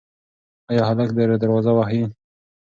ایا هلک دروازه وهي؟